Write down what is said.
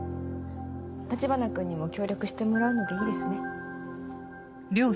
橘君にも協力してもらうのでいいですね？